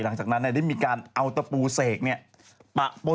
เป็นทางสีแดงรัสนะเหมือนเลือด